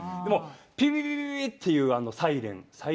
ピピピーというサイレン